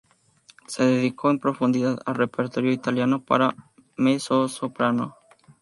Se dedicó en profundidad al repertorio italiano para mezzosoprano.